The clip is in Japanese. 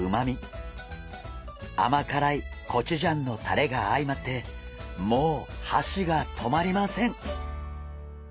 甘辛いコチュジャンのタレがあいまってもうはしが止まりません！